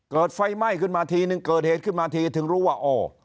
เกิดไฟไหม้ขึ้นมาทีนึงเกิดเหตุขึ้นมาทีถึงรู้ว่าอ๋อ